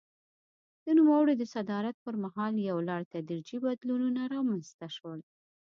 د نوموړي د صدارت پر مهال یو لړ تدریجي بدلونونه رامنځته شول.